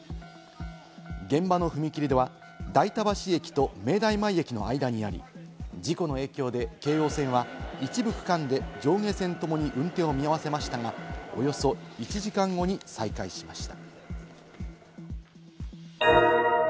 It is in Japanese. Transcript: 現場の踏切は代田橋駅と明大前駅の間にあり、事故の影響で京王線は一部区間で上下線ともに運転を見合わせましたが、およそ１時間後に再開しました。